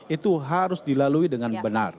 itu harus dilalui dengan benar